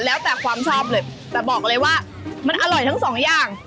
แล้วแต่ความชอบเลยแต่บอกเลยว่ามันอร่อยทั้งสองอย่าง